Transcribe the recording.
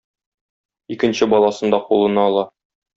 Икенче баласын да кулына ала.